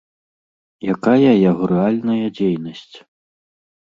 Якая яго рэальная дзейнасць?